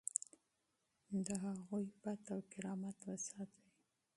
د هغوی عزت او کرامت وساتئ.